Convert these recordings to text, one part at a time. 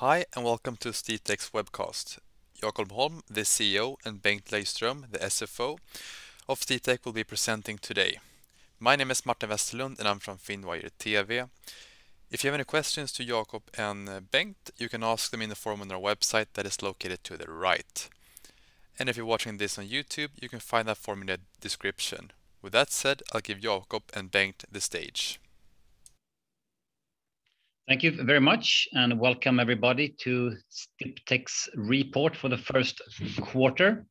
Hi, and welcome to Sdiptech's webcast. Jakob Holm, the CEO, and Bengt Lejdström, the CFO of Sdiptech, will be presenting today. My name is Martin Westerlund, and I'm from Finwire TV. If you have any questions to Jakob and Bengt, you can ask them in the form on their website that is located to the right. If you're watching this on YouTube, you can find that form in the description. With that said, I'll give Jakob and Bengt the stage. Thank you very much, and welcome everybody to Sdiptech's report for the first quarter.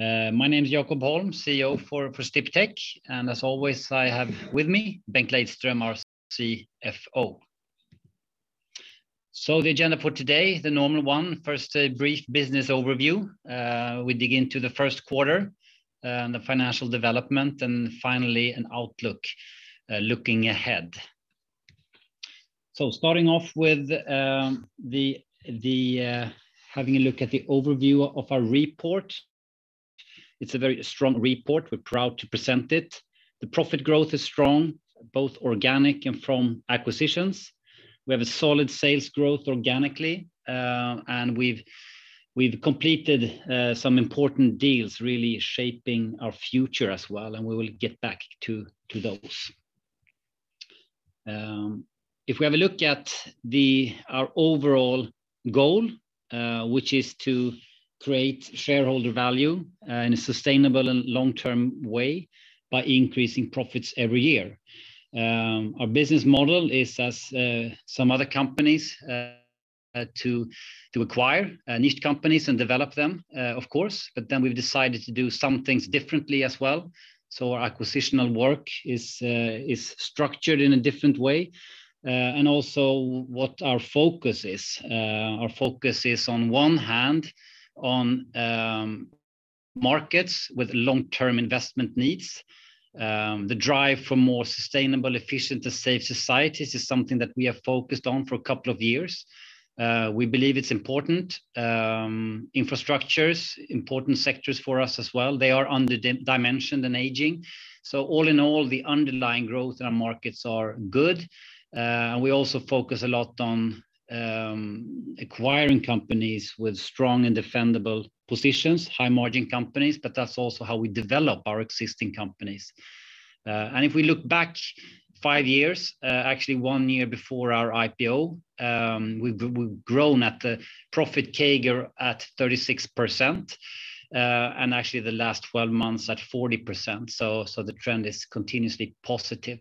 My name is Jakob Holm, CEO for Sdiptech, and as always, I have with me Bengt Lejdström, our CFO. The agenda for today, the normal one. First, a brief business overview. We dig into the first quarter and the financial development, and finally an outlook looking ahead. Starting off with having a look at the overview of our report. It's a very strong report. We're proud to present it. The profit growth is strong, both organic and from acquisitions. We have a solid sales growth organically, and we've completed some important deals really shaping our future as well, and we will get back to those. If we have a look at our overall goal, which is to create shareholder value in a sustainable and long-term way by increasing profits every year. Our business model is, as some other companies, to acquire niche companies and develop them, of course, we've decided to do some things differently as well. Our acquisitional work is structured in a different way. What our focus is. Our focus is on one hand on markets with long-term investment needs. The drive for more sustainable, efficient, and safe societies is something that we have focused on for a couple of years. We believe it's important. Infrastructures, important sectors for us as well. They are under-dimensioned and aging. All in all, the underlying growth in our markets are good. We also focus a lot on acquiring companies with strong and defendable positions, high-margin companies, that's also how we develop our existing companies. If we look back five years, actually one year before our IPO, we've grown at the profit CAGR at 36%, and actually the last 12 months at 40%. The trend is continuously positive.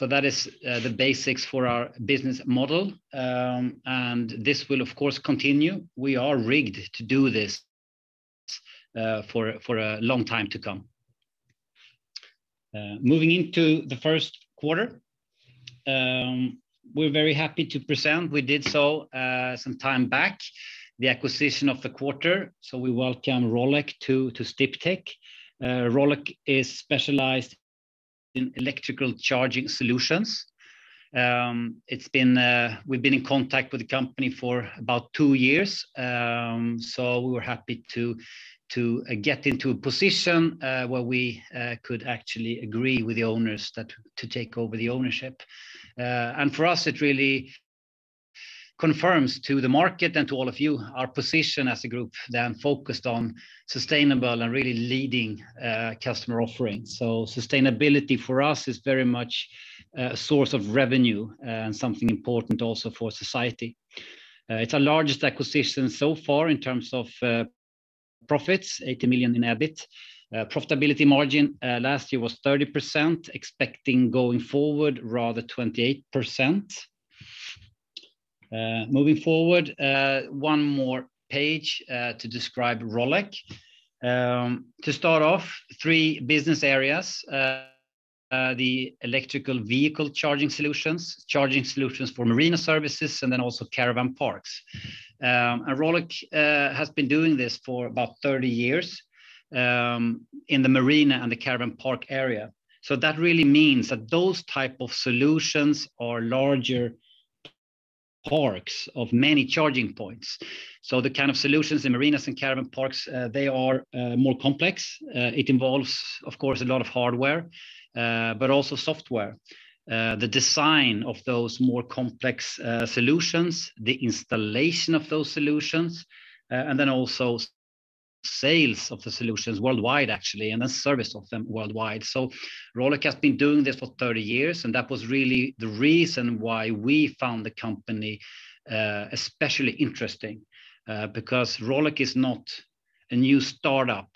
That is the basics for our business model, and this will, of course, continue. We are rigged to do this for a long time to come. Moving into the first quarter. We're very happy to present, we did so some time back, the acquisition of the quarter. We welcome Rolec to Sdiptech. Rolec is specialized in electrical charging solutions. We've been in contact with the company for about two years. We were happy to get into a position where we could actually agree with the owners to take over the ownership. For us, it really confirms to the market and to all of you our position as a group focused on sustainable and really leading customer offerings. Sustainability for us is very much a source of revenue and something important also for society. It's our largest acquisition so far in terms of profits, 80 million in EBIT. Profitability margin last year was 30%, expecting going forward, rather 28%. Moving forward, one more page to describe Rolec. To start off, three business areas. The electrical vehicle charging solutions, charging solutions for marina services, and also caravan parks. Rolec has been doing this for about 30 years in the marina and the caravan park area. That really means that those type of solutions are larger parks of many charging points. The kind of solutions in marinas and caravan parks, they are more complex. It involves, of course, a lot of hardware, but also software. The design of those more complex solutions, the installation of those solutions, and then also sales of the solutions worldwide, actually, and then service of them worldwide. Rolec has been doing this for 30 years, and that was really the reason why we found the company especially interesting. Because Rolec is not a new startup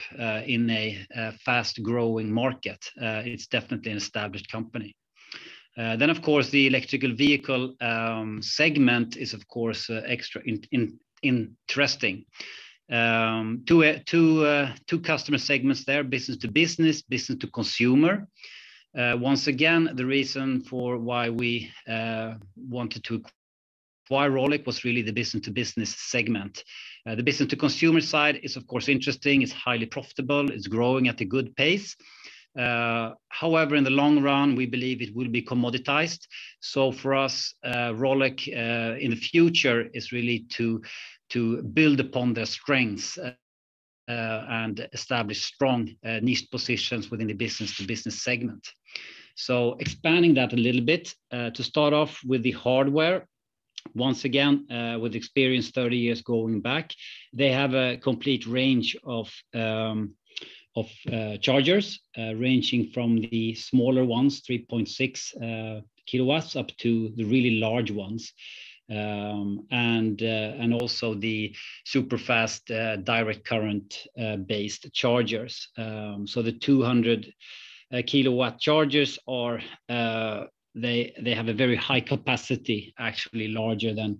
in a fast-growing market. It's definitely an established company. Of course, the electrical vehicle segment is, of course, extra interesting. Two customer segments there, business to business to consumer. Once again, the reason for why we wanted to acquire Rolec was really the business to business segment. The business to consumer side is, of course, interesting. It's highly profitable. It's growing at a good pace. However, in the long run, we believe it will be commoditized. For us, Rolec in the future is really to build upon their strengths and establish strong niche positions within the business-to-business segment. Expanding that a little bit, to start off with the hardware, once again, with experience 30 years going back, they have a complete range of chargers ranging from the smaller ones, 3.6 kW, up to the really large ones, and also the super-fast direct current-based chargers. The 200 kW chargers have a very high capacity, actually larger than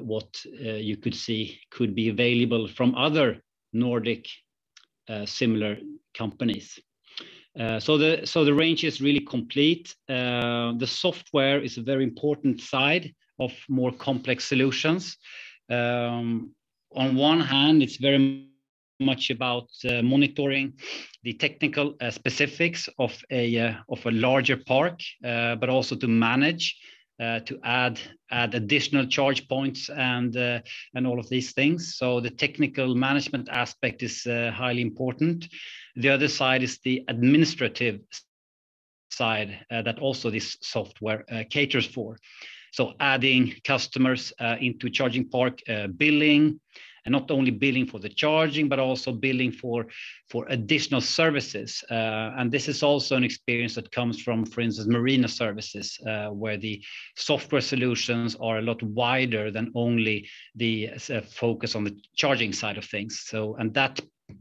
what you could see could be available from other Nordic similar companies. The range is really complete. The software is a very important side of more complex solutions. On one hand, it's very much about monitoring the technical specifics of a larger park, but also to manage to add additional charge points and all of these things. The technical management aspect is highly important. The other side is the administrative side that also this software caters for. Adding customers into charging park billing, and not only billing for the charging, but also billing for additional services. This is also an experience that comes from, for instance, marina services, where the software solutions are a lot wider than only the focus on the charging side of things.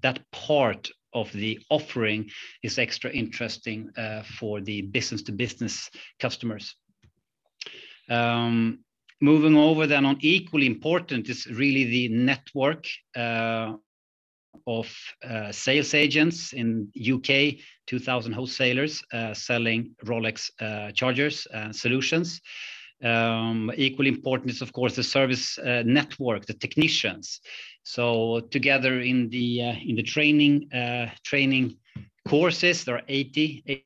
That part of the offering is extra interesting for the business-to-business customers. Equally important is really the network of sales agents in U.K., 2,000 wholesalers selling Rolec chargers and solutions. Equally important is, of course, the service network, the technicians. Together in the training courses, there are 80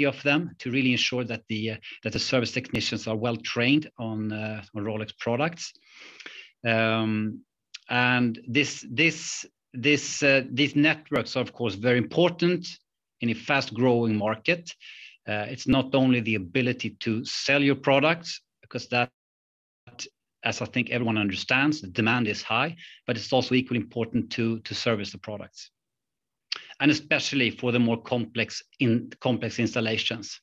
of them to really ensure that the service technicians are well-trained on Rolec products. These networks are, of course, very important in a fast-growing market. It's not only the ability to sell your products, because that, as I think everyone understands, the demand is high, but it's also equally important to service the products, and especially for the more complex installations.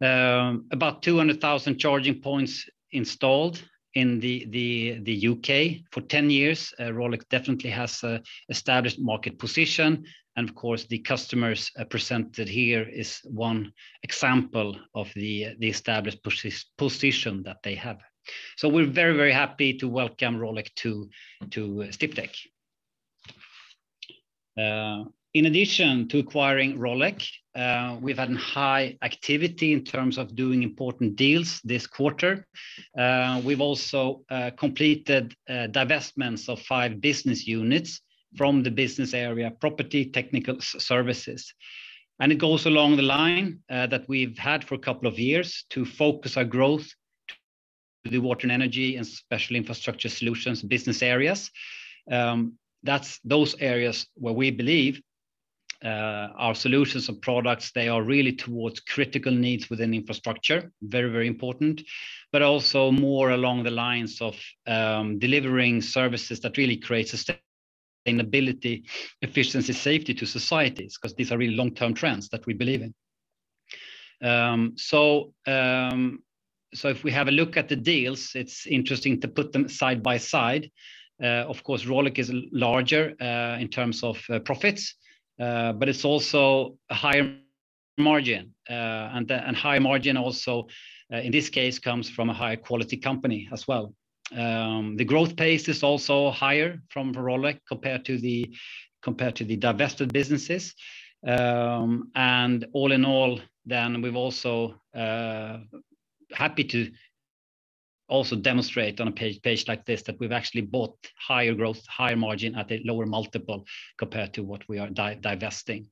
About 200,000 charging points installed in the U.K. for 10 years. Rolec definitely has established market position. Of course, the customers presented here is one example of the established position that they have. We're very happy to welcome Rolec to Sdiptech. In addition to acquiring Rolec, we've had high activity in terms of doing important deals this quarter. We've also completed divestments of five business units from the business area Property Technical Services. It goes along the line that we've had for a couple of years to focus our growth to the Water & Energy and Special Infrastructure Solutions business areas. Those areas where we believe our solutions and products, they are really towards critical needs within infrastructure, very important. Also more along the lines of delivering services that really create sustainability, efficiency, safety to societies, because these are really long-term trends that we believe in. If we have a look at the deals, it's interesting to put them side by side. Of course, Rolec is larger in terms of profits, but it's also a higher margin. High margin also, in this case, comes from a high-quality company as well. The growth pace is also higher from Rolec compared to the divested businesses. All in all, we're also happy to also demonstrate on a page like this that we've actually bought higher growth, higher margin at a lower multiple compared to what we are divesting.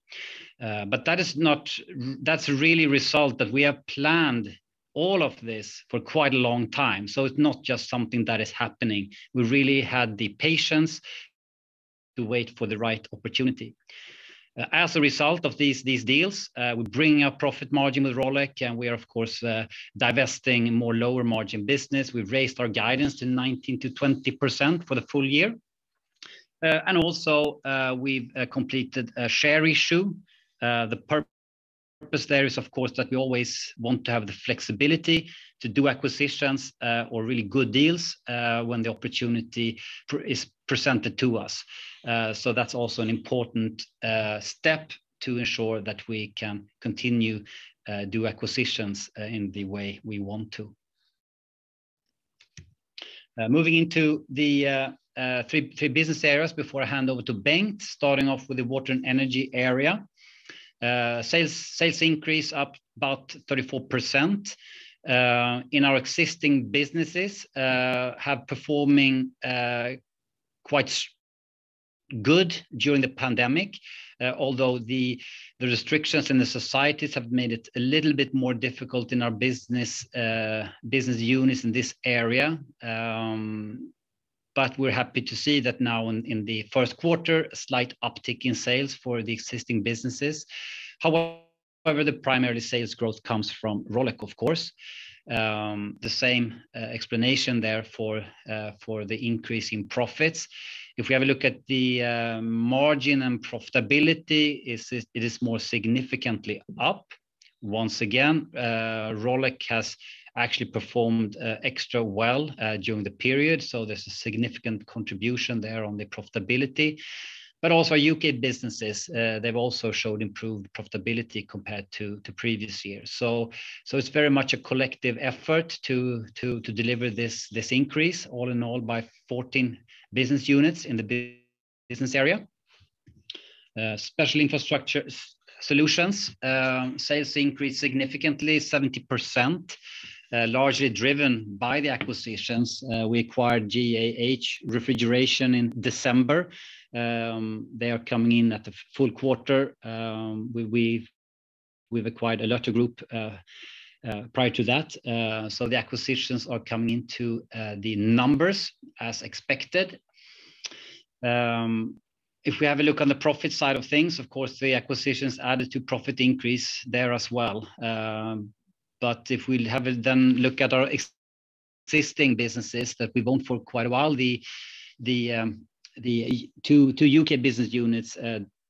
That's really result that we have planned all of this for quite a long time. It's not just something that is happening. We really had the patience to wait for the right opportunity. As a result of these deals, we bring a profit margin with Rolec, and we are, of course, divesting more lower margin business. We've raised our guidance to 19%-20% for the full year. Also, we've completed a share issue. The purpose there is, of course, that we always want to have the flexibility to do acquisitions or really good deals when the opportunity is presented to us. That's also an important step to ensure that we can continue do acquisitions in the way we want to. Moving into the three business areas before I hand over to Bengt, starting off with the Water & Energy area. Sales increase up about 34% in our existing businesses have performing quite well during the pandemic, although the restrictions in the societies have made it a little bit more difficult in our business units in this area. We're happy to see that now in the first quarter, a slight uptick in sales for the existing businesses. However, the primary sales growth comes from Rolec, of course. The same explanation there for the increase in profits. If we have a look at the margin and profitability, it is more significantly up. Once again, Rolec has actually performed extra well during the period, so there's a significant contribution there on the profitability. Also U.K. businesses, they've also showed improved profitability compared to the previous year. It's very much a collective effort to deliver this increase all in all by 14 business units in the business area. Special Infrastructure Solutions, sales increased significantly, 70%, largely driven by the acquisitions. We acquired GAH Refrigeration in December. They are coming in at the full quarter. We've acquired Alerter Group prior to that. The acquisitions are coming into the numbers as expected. If we have a look on the profit side of things, of course, the acquisitions added to profit increase there as well. If we then look at our existing businesses that we've owned for quite a while, the two U.K. business units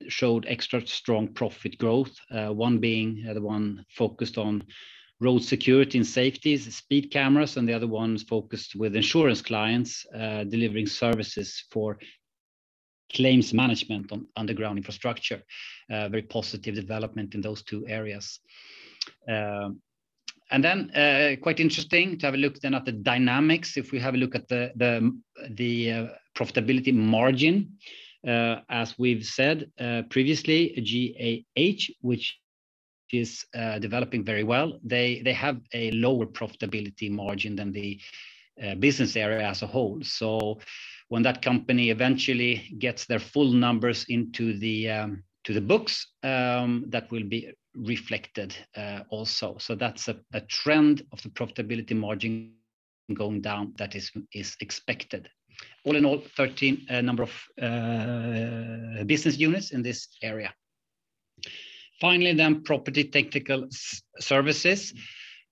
showed extra strong profit growth. One being the one focused on road security and safety, speed cameras, and the other one is focused with insurance clients, delivering services for claims management on underground infrastructure. Very positive development in those two areas. Quite interesting to have a look then at the dynamics. If we have a look at the profitability margin, as we've said previously, GAH, which is developing very well, they have a lower profitability margin than the business area as a whole. When that company eventually gets their full numbers into the books, that will be reflected also. That's a trend of the profitability margin going down that is expected. All in all, 13 number of business units in this area. Finally, Property Technical Services.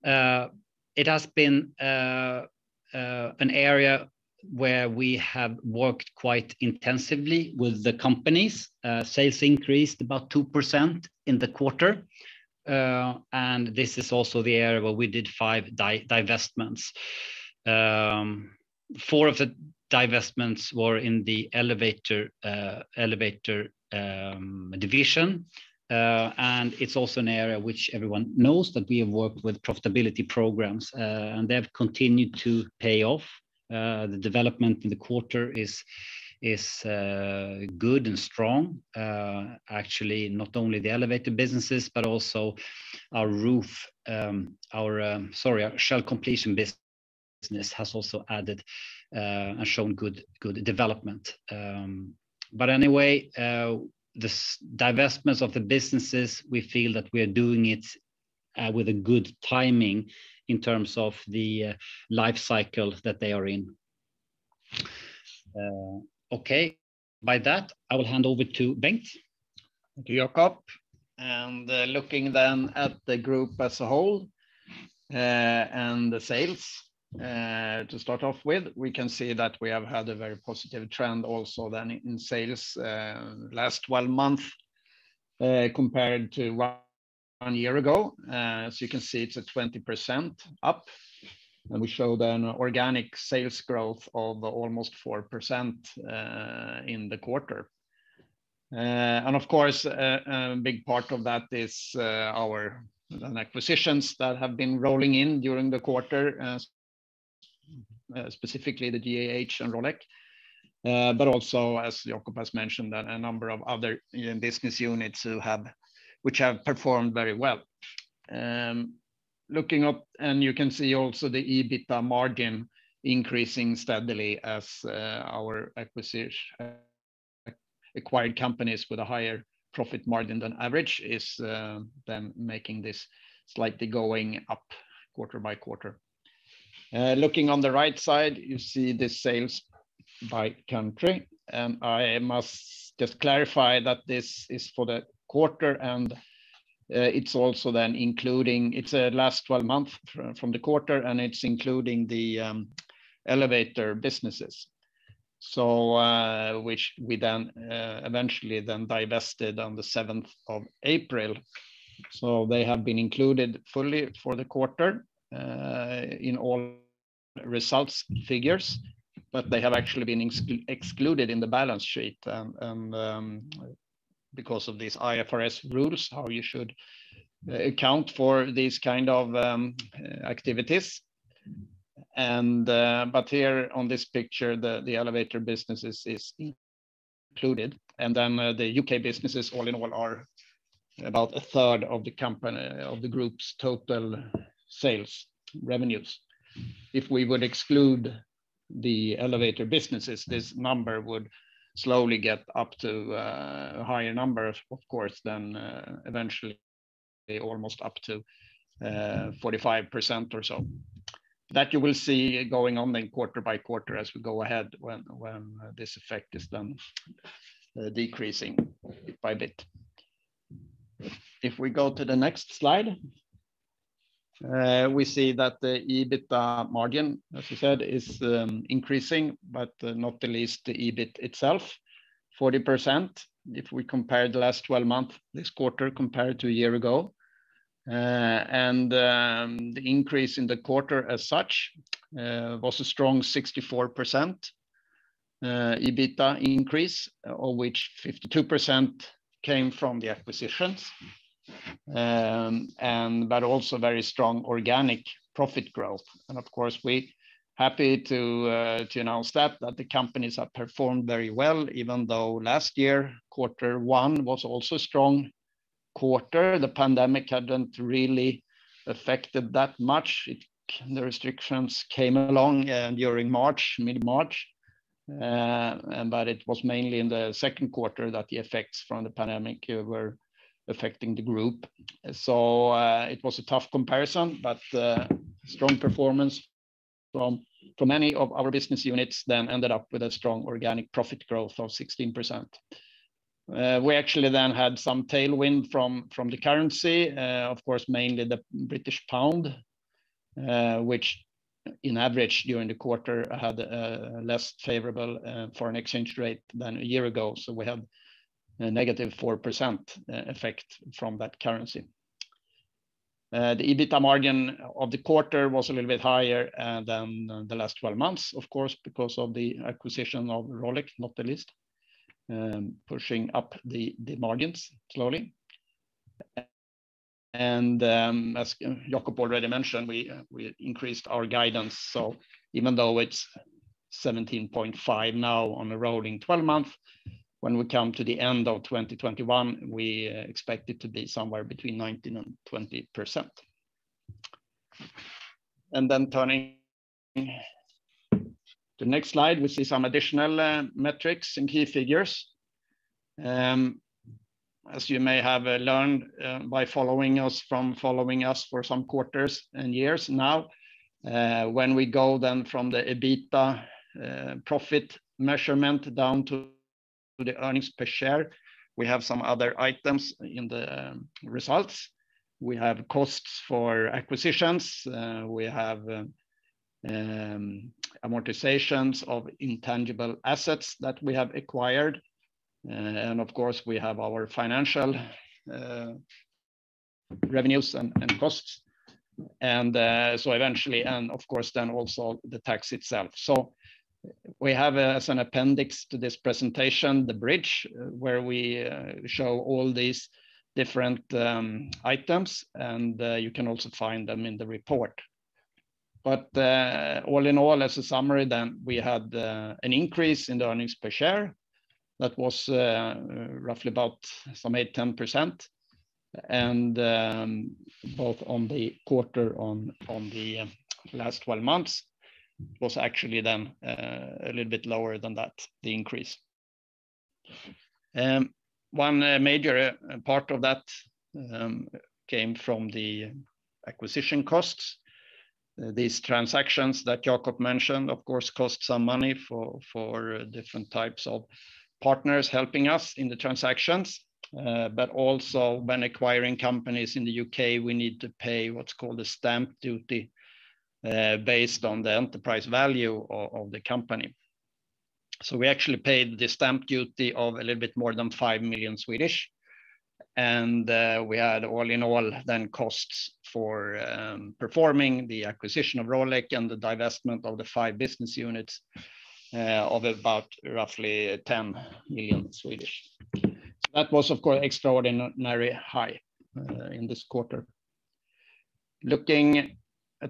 It has been an area where we have worked quite intensively with the companies. Sales increased about 2% in the quarter. This is also the area where we did five divestments. Four of the divestments were in the Elevator Division. It's also an area which everyone knows that we have worked with profitability programs, and they have continued to pay off. The development in the quarter is good and strong. Actually, not only the Elevator businesses, but also our shell completion business has also added and shown good development. Anyway, these divestments of the businesses, we feel that we are doing it with a good timing in terms of the life cycle that they are in. Okay. By that, I will hand over to Bengt. Thank you, Jakob. Looking then at the Group as a whole and the sales to start off with, we can see that we have had a very positive trend also then in sales last 12 months compared to one year ago. As you can see, it's a 20% up, and we show then organic sales growth of almost 4% in the quarter. Of course, a big part of that is our acquisitions that have been rolling in during the quarter, specifically the GAH and Rolec. Also, as Jakob has mentioned, that a number of other business units which have performed very well. Looking up, and you can see also the EBITA margin increasing steadily as our acquired companies with a higher profit margin than average is then making this slightly going up quarter by quarter. Looking on the right side, you see the sales by country, and I must just clarify that this is for the quarter, and it's also including last 12 months from the quarter, and it's including the Elevator businesses, which we eventually divested on the April 7th. They have been included fully for the quarter in all results figures, but they have actually been excluded in the balance sheet because of these IFRS rules, how you should account for these kind of activities. Here on this picture, the Elevator business is included. The U.K. businesses all in all are about a third of the Group's total sales revenues. If we would exclude the Elevator businesses, this number would slowly get up to a higher number, of course. Almost up to 45% or so. That you will see going on then quarter by quarter as we go ahead when this effect is then decreasing bit by bit. If we go to the next slide, we see that the EBITDA margin, as we said, is increasing, but not the least the EBIT itself, 40%. If we compare the last 12 months, this quarter compared to a year ago. The increase in the quarter as such was a strong 64% EBITDA increase, of which 52% came from the acquisitions. Also very strong organic profit growth. Of course, we happy to announce that the companies have performed very well, even though last year, quarter one was also a strong quarter. The pandemic hadn't really affected that much. The restrictions came along during mid-March, but it was mainly in the second quarter that the effects from the pandemic were affecting the group. It was a tough comparison, but strong performance from many of our business units then ended up with a strong organic profit growth of 16%. We actually then had some tailwind from the currency, of course, mainly the British pound, which in average during the quarter had a less favorable foreign exchange rate than a year ago. We had a negative 4% effect from that currency. The EBITDA margin of the quarter was a little bit higher than the last 12 months, of course, because of the acquisition of Rolec, not the least, pushing up the margins slowly. As Jakob already mentioned, we increased our guidance. Even though it's 17.5% now on a rolling 12 months, when we come to the end of 2021, we expect it to be somewhere between 19%-20%. Turning to the next slide, we see some additional metrics and key figures. As you may have learned by following us for some quarters and years now, when we go from the EBITDA profit measurement down to the earnings per share, we have some other items in the results. We have costs for acquisitions. We have amortizations of intangible assets that we have acquired. We have our financial revenues and costs. Also the tax itself. We have as an Appendix to this presentation, the bridge, where we show all these different items, and you can also find them in the report. All in all, as a summary, we had an increase in the earnings per share that was roughly about some 8%-10%. Both on the quarter on the last 12 months was actually then a little bit lower than that, the increase. One major part of that came from the acquisition costs. These transactions that Jakob mentioned, of course, cost some money for different types of partners helping us in the transactions. Also when acquiring companies in the U.K., we need to pay what's called a stamp duty based on the enterprise value of the company. We actually paid the stamp duty of a little bit more than 5 million. We had all in all then costs for performing the acquisition of Rolec and the divestment of the five business units of about roughly 10 million. That was, of course, extraordinary high in this quarter. Looking at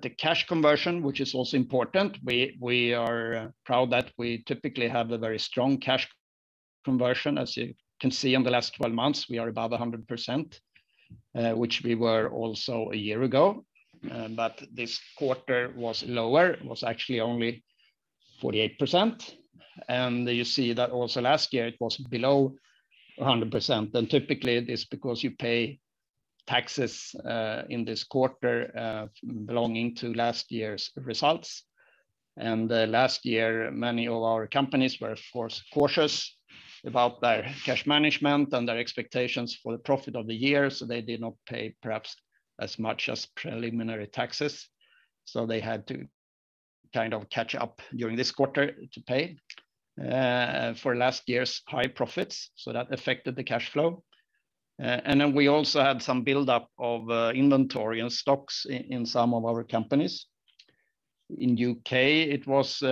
the cash conversion, which is also important, we are proud that we typically have a very strong cash conversion. As you can see on the last 12 months, we are above 100%, which we were also a year ago. This quarter was lower, was actually only 48%. You see that also last year it was below 100%. Typically it is because you pay taxes in this quarter belonging to last year's results. Last year, many of our companies were cautious about their cash management and their expectations for the profit of the year, so they did not pay perhaps as much as preliminary taxes. They had to kind of catch up during this quarter to pay for last year's high profits. That affected the cash flow. We also had some buildup of inventory and stocks in some of our companies. In U.K., it was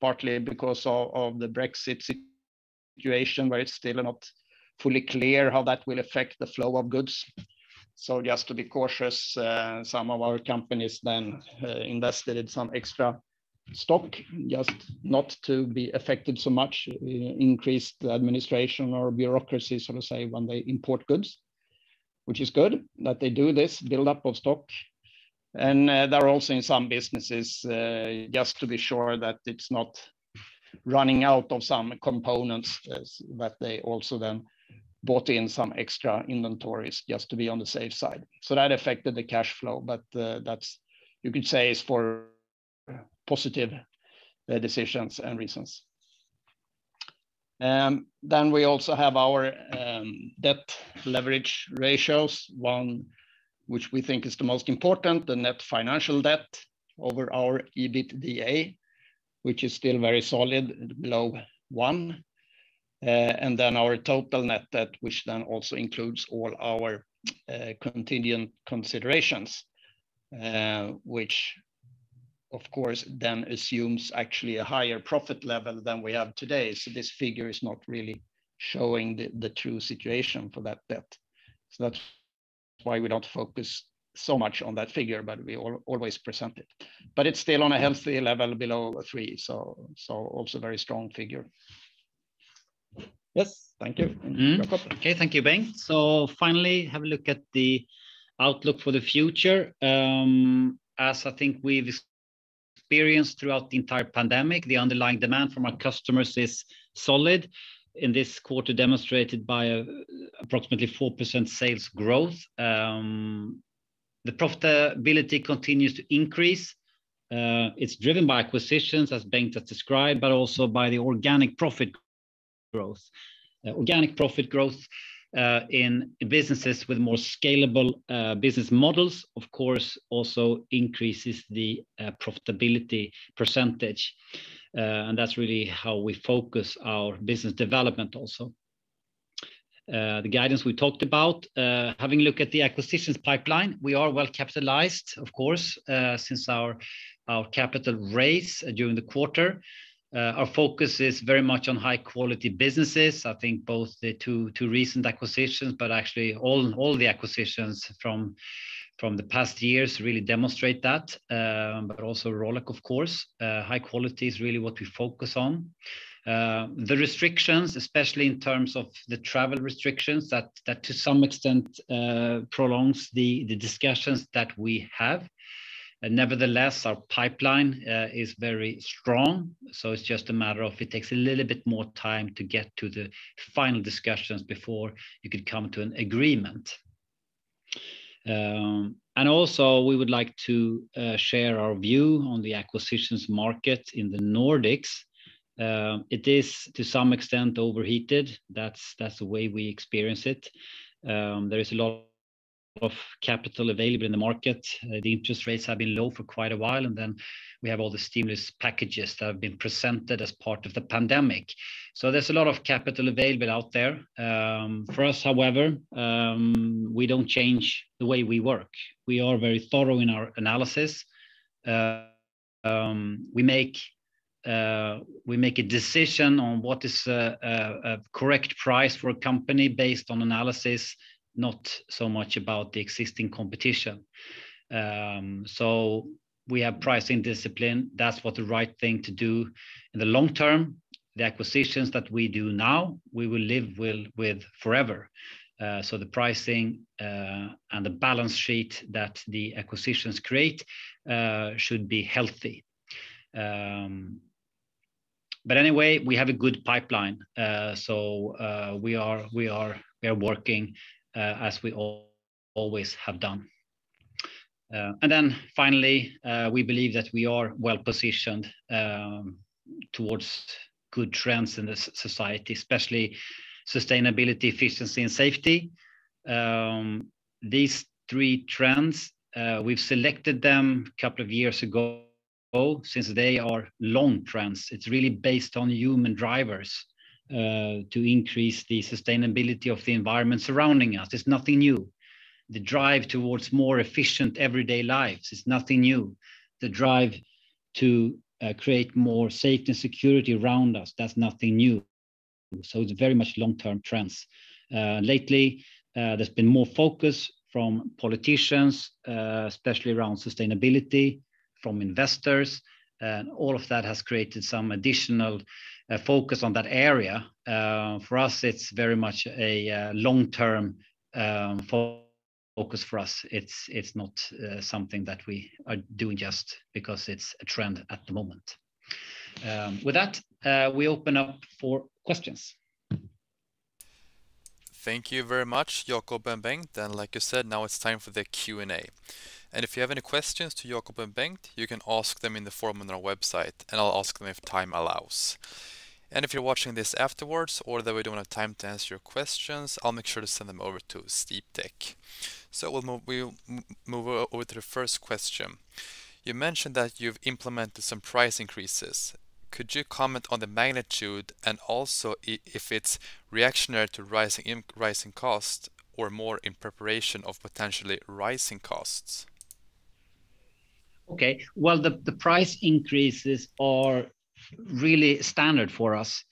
partly because of the Brexit situation, where it's still not fully clear how that will affect the flow of goods. Just to be cautious, some of our companies then invested in some extra stock, just not to be affected so much, increased administration or bureaucracy, so to say, when they import goods. Which is good that they do this buildup of stock. They're also in some businesses just to be sure that it's not running out of some components, that they also then bought in some extra inventories just to be on the safe side. That affected the cash flow, but that's you could say is for positive decisions and reasons. We also have our debt leverage ratios, one which we think is the most important, the net financial debt over our EBITDA, which is still very solid below one. Then our total net debt, which also includes all our contingent considerations, which of course then assumes actually a higher profit level than we have today. This figure is not really showing the true situation for that debt. That's why we don't focus so much on that figure, we always present it. It's still on a healthy level below three, also very strong figure. Yes, thank you. Jakob? Okay, thank you, Bengt. Finally, have a look at the outlook for the future. As I think we've experienced throughout the entire pandemic, the underlying demand from our customers is solid. In this quarter demonstrated by approximately 4% sales growth. The profitability continues to increase. It's driven by acquisitions, as Bengt has described, but also by the organic profit growth. Organic profit growth in businesses with more scalable business models, of course, also increases the profitability percentage. That's really how we focus our business development also. The guidance we talked about, having a look at the acquisition pipeline, we are well capitalized, of course, since our capital raise during the quarter. Our focus is very much on high-quality businesses. I think both the two recent acquisitions, but actually all the acquisitions from the past years really demonstrate that. Also Rolec, of course. High quality is really what we focus on. The restrictions, especially in terms of the travel restrictions, that to some extent prolongs the discussions that we have. Nevertheless, our acquisition pipeline is very strong, so it's just a matter of it takes a little bit more time to get to the final discussions before you could come to an agreement. Also, we would like to share our view on the acquisitions market in the Nordics. It is, to some extent, overheated. That's the way we experience it. There is a lot of capital available in the market. The interest rates have been low for quite a while, and then we have all the stimulus packages that have been presented as part of the pandemic. There's a lot of capital available out there. For us, however, we don't change the way we work. We are very thorough in our analysis. We make a decision on what is a correct price for a company based on analysis, not so much about the existing competition. We have pricing discipline. That's what the right thing to do in the long term. The acquisitions that we do now, we will live with forever. The pricing and the balance sheet that the acquisitions create should be healthy. Anyway, we have a good pipeline. We are working as we always have done. Finally, we believe that we are well-positioned towards good trends in the society, especially sustainability, efficiency, and safety. These three trends we've selected them a couple of years ago, since they are long trends. It's really based on human drivers to increase the sustainability of the environment surrounding us. It's nothing new. The drive towards more efficient everyday lives is nothing new. The drive to create more safety and security around us, that's nothing new. It's very much long-term trends. Lately, there's been more focus from politicians, especially around sustainability from investors, and all of that has created some additional focus on that area. For us, it's very much a long-term focus for us. It's not something that we are doing just because it's a trend at the moment. With that, we open up for questions. Thank you very much, Jakob and Bengt. Like you said, now it's time for the Q&A. If you have any questions to Jakob and Bengt, you can ask them in the forum on our website, and I'll ask them if time allows. If you're watching this afterwards or that we don't have time to answer your questions, I'll make sure to send them over to Sdiptech. We'll move over to the first question. You mentioned that you've implemented some price increases. Could you comment on the magnitude and also if it's reactionary to rising costs or more in preparation of potentially rising costs? Okay, well, the price increases are really standard for us.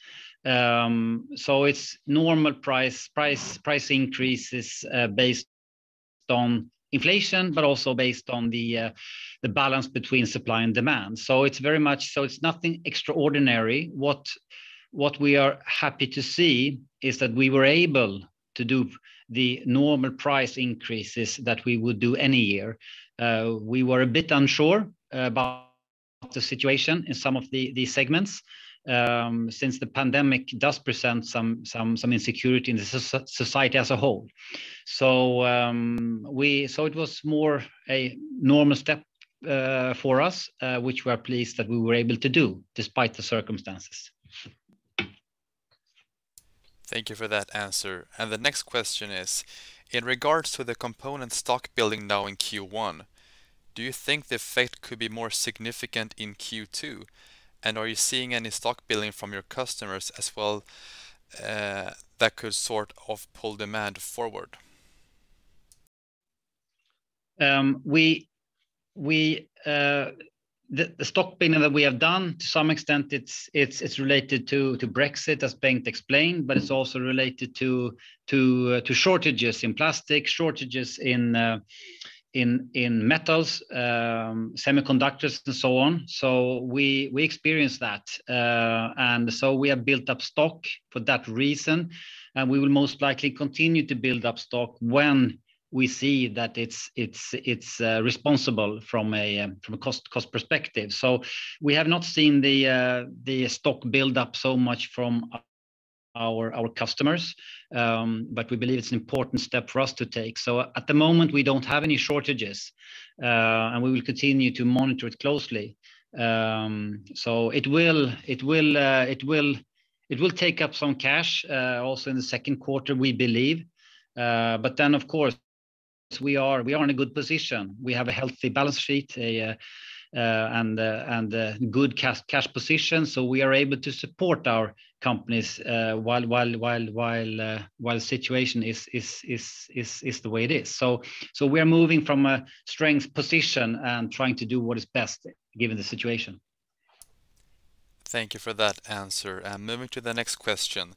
It's normal price increases based on inflation, but also based on the balance between supply and demand. It's nothing extraordinary. What we are happy to see is that we were able to do the normal price increases that we would do any year. We were a bit unsure about the situation in some of these segments, since the pandemic does present some insecurity in the society as a whole. It was more a normal step for us, which we are pleased that we were able to do despite the circumstances. Thank you for that answer. The next question is, in regards to the component stock building now in Q1, do you think the effect could be more significant in Q2? Are you seeing any stock building from your customers as well that could pull demand forward? The stock building that we have done, to some extent it's related to Brexit, as Bengt explained, but it's also related to shortages in plastic, shortages in metals, semiconductors, and so on. We experience that. We have built up stock for that reason, and we will most likely continue to build up stock when we see that it's responsible from a cost perspective. We have not seen the stock build up so much from our customers, but we believe it's an important step for us to take. At the moment, we don't have any shortages, and we will continue to monitor it closely. It will take up some cash, also in the second quarter, we believe. Of course, we are in a good position. We have a healthy balance sheet, good cash position. We are able to support our companies while the situation is the way it is. We are moving from a strength position and trying to do what is best given the situation. Thank you for that answer. Moving to the next question: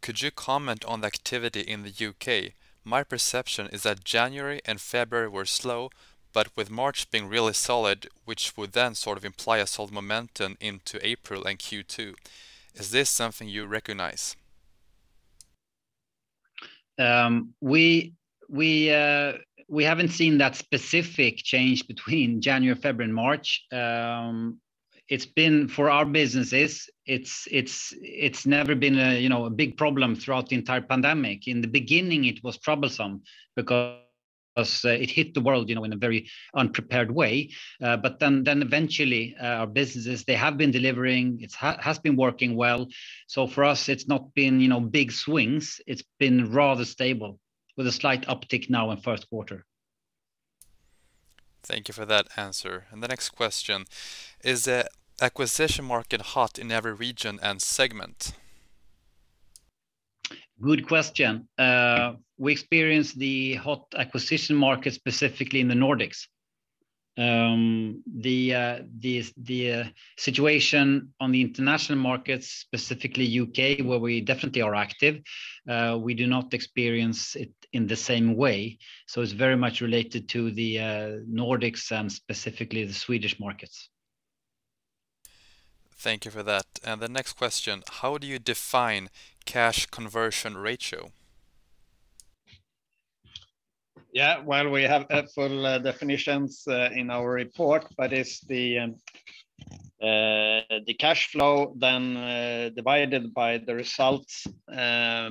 Could you comment on the activity in the U.K.? My perception is that January and February were slow, but with March being really solid, which would then imply a solid momentum into April and Q2. Is this something you recognize? We haven't seen that specific change between January, February, and March. For our businesses, it's never been a big problem throughout the entire pandemic. In the beginning, it was troublesome because it hit the world in a very unprepared way. Eventually, our businesses, they have been delivering. It has been working well. For us, it's not been big swings. It's been rather stable with a slight uptick now in first quarter. Thank you for that answer. The next question: Is the acquisition market hot in every region and segment? Good question. We experience the hot acquisition market specifically in the Nordics. The situation on the international markets, specifically U.K., where we definitely are active, we do not experience it in the same way. It's very much related to the Nordics and specifically the Swedish markets. Thank you for that. The next question: How do you define cash conversion ratio? Yeah. Well, we have full definitions in our report, but it's the cash flow then divided by the results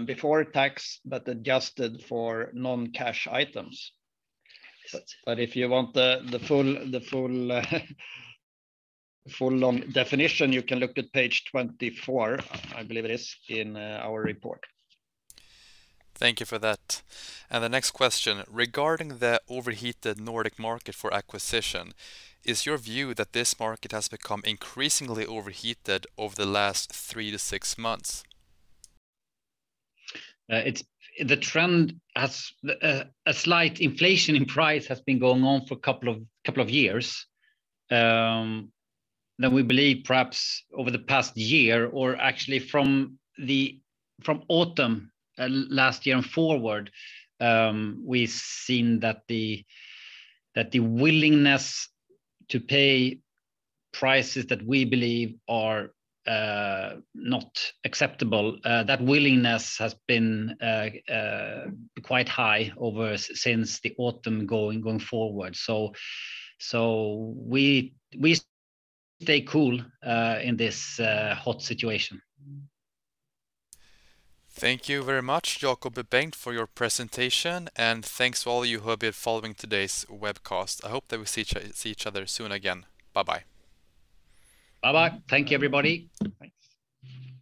before tax, but adjusted for non-cash items. If you want the full long definition, you can look at page 24, I believe it is, in our report. Thank you for that. The next question. Regarding the overheated Nordic market for acquisition, is your view that this market has become increasingly overheated over the last three to six months? A slight inflation in price has been going on for a couple of years, that we believe perhaps over the past year, or actually from autumn last year and forward, we've seen that the willingness to pay prices that we believe are not acceptable, that willingness has been quite high since the autumn going forward. We stay cool in this hot situation. Thank you very much, Jakob and Bengt, for your presentation, and thanks to all you who have been following today's webcast. I hope that we see each other soon again. Bye-bye. Bye-bye. Thank you, everybody. Thanks.